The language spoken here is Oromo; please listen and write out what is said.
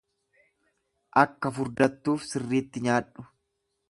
Akka furdattuuf sirriitti nyaadhu.